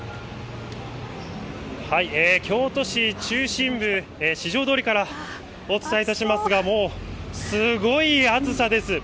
京都市中心部、四条通からお伝えいたしますが、もうすごい暑さです。